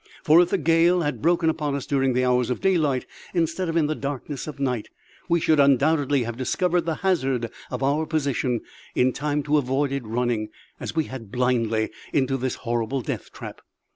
For if the gale had broken upon us during the hours of daylight, instead of in the darkness of night, we should undoubtedly have discovered the hazard of our position in time to have avoided running, as we had, blindly into this horrible death trap.